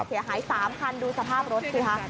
เสียหาย๓คันดูสภาพรถสิคะ